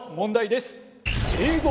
英語！